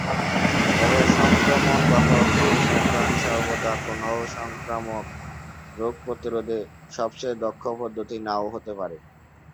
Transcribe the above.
তবে সংক্রমণ-বাহক অনুসন্ধান সর্বদা কোনও সংক্রামক রোগ প্রতিরোধে সবচেয়ে দক্ষ পদ্ধতি না-ও হতে পারে।